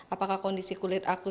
apakah kondisi kulit aku sedang berubah